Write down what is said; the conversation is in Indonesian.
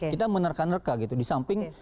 kita menerka nerka gitu di samping